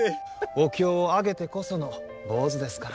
お経をあげてこその坊主ですから。